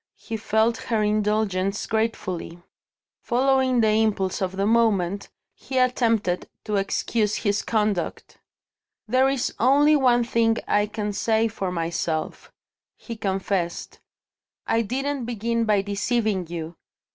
He felt her indulgence gratefully. Following the impulse of the moment, he attempted to excuse his conduct. "There is only one thing I can say for myself," he confessed, "I didn't begin by deceiving you.